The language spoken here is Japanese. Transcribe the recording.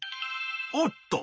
おっと！